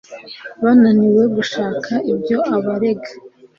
Bananiwe guhakana ibyo abarega.